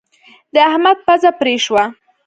د احمد پزه پرې شوه.